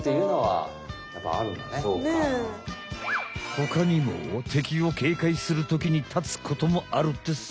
ほかにも敵をけいかいするときに立つこともあるってさ。